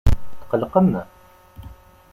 Tqelqem?